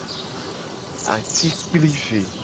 Atikplive.